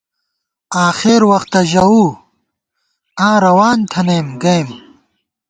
آخېر وختہ ژَوُو ، آں رَوان تھنَئیم گَئیم